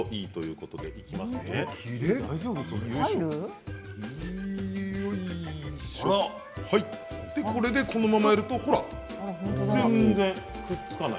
これでこのままやると全然くっつかない。